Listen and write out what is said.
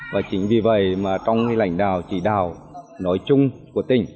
và chính vì vậy mà trong lãnh đạo chỉ đạo nói chung của tỉnh